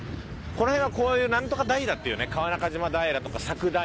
この辺はこういうなんとか平っていうね川中島平とか佐久平とか。